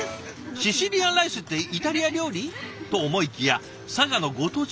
シシリアンライスってイタリア料理？と思いきや佐賀のご当地グルメなんですって。